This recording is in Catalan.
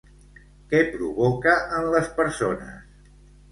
Què provoca en les persones?